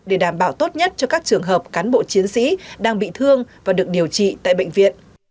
để đảm bảo tốt nhất cho các trường hợp cán bộ chiến sĩ đang bị thương và được điều trị tại bệnh viện